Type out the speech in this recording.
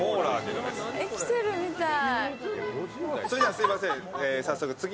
生きてるみたい。